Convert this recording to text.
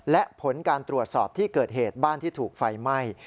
และผลการตรวจสอบที่เกิดเหตุบ้านที่ถูกไฟไหม้